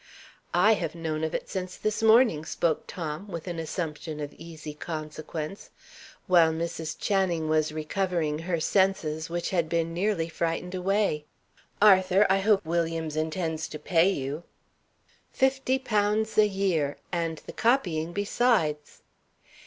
"I have known of it since this morning," spoke Tom, with an assumption of easy consequence; while Mrs. Channing was recovering her senses, which had been nearly frightened away. "Arthur, I hope Williams intends to pay you?" "Fifty pounds a year, And the copying besides."